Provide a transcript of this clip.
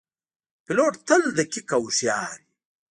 پیلوټ تل دقیق او هوښیار وي.